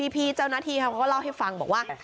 พี่เจ้าหน้าที่เขาก็เล่าให้ฟังบอกว่า